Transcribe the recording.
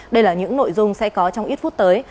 đây là những nội dung sẽ có trong ít phút tới